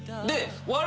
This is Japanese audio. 笑